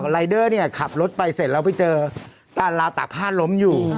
รายเดอร์เนี่ยขับรถไปเสร็จแล้วไปเจอการลาวตากผ้าล้มอยู่